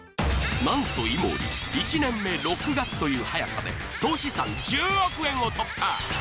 なんと井森１年目６月という早さで総資産１０億円を突破！